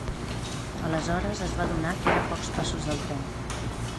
Aleshores es va adonar que era a pocs passos del tren.